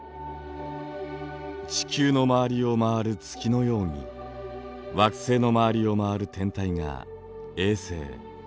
地球の周りを回る月のように惑星の周りを回る天体が衛星。